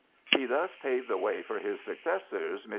He thus paved the way for his successors, MM.